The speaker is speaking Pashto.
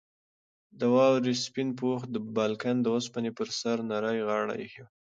د واورې سپین پوښ د بالکن د اوسپنې پر سر نرۍ غاړه ایښې وه.